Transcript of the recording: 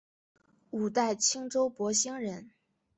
五代青州博兴人。